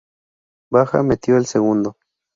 Baha metió el segundo.